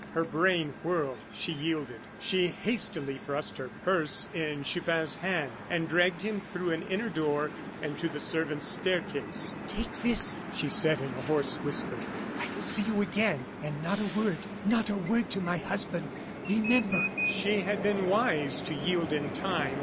Her brain whirled; she yielded. She hastily thrust her purse in Chupin's hand and dragged him through an inner door and to the servants' staircase. "Take this," she said, in a hoarse whisper. "I will see you again. And not a word not a word to my husband, remember!" She had been wise to yield in time.